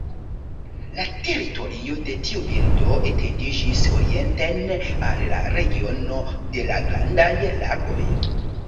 La teritorio de tiu birdo etendiĝis orienten al la regiono de la Grandaj Lagoj.